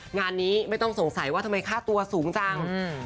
งานนี้ไม่ต้องสงสัยว่าทำไมค่าตัวสูงจัง